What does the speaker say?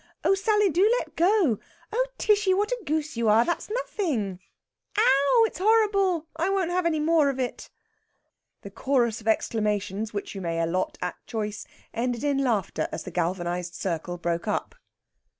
Oh, Sally, do let go!... Oh, Tishy, what a goose you are! That's nothing.... E ow! It's horrible. I won't have any more of it." The chorus of exclamations, which you may allot at choice, ended in laughter as the galvanised circle broke up.